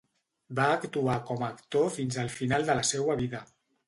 Va actuar com a actor fins al final de la seua vida.